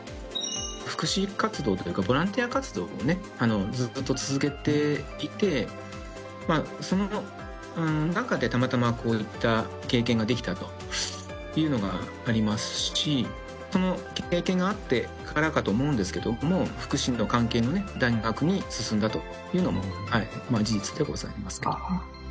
福祉活動というか、ボランティア活動をね、ずっと続けていて、その中でたまたまこういった経験ができたというのがありますし、この経験があってからかと思うんですけど、福祉の関係のね、大学に進んだというのも事実でございますけど。